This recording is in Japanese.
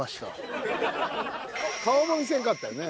顔も見せんかったよね。